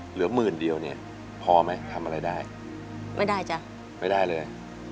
เหลือหมื่นเดียวเนี่ยพอไหมทำอะไรได้ไม่ได้จ้ะไม่ได้เลย